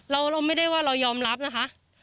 เราไม่ได้ว่าเรายอมรับนะคะ